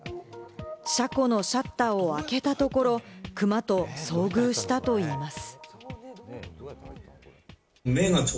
車庫のシャッターを開けたところ、クマと遭遇したといいます。